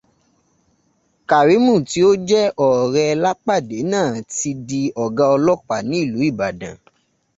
Kàrímù tí ó jẹ́ ọ̀rẹ́ Lápàdé náà ti di ọ̀gá ọlọ́pàá ní ìlú Ìbàdàn.